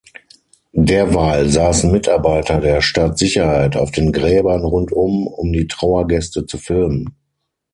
Derweil saßen Mitarbeiter der Staatssicherheit auf den Gräbern rundum, um die Trauergäste zu filmen.